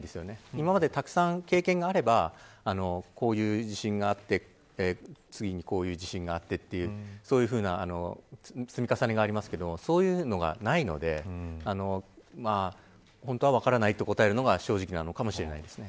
今まで、たくさん経験があればこういう地震があって次にこういう地震があってというそういうふうな積み重ねがありますがそういうのがないので本当は分からないと答えるのが正直なのかもしれませんね。